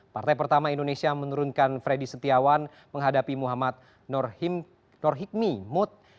partai pertama indonesia menurunkan freddy setiawan menghadapi muhammad nurhikmi mud